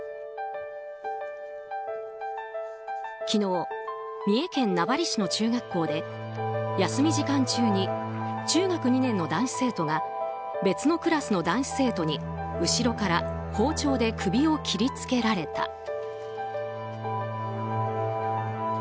昨日、三重県名張市の中学校で休み時間中に中学２年の男子生徒が別のクラスの男子生徒に後ろから包丁で首を切り付けられた。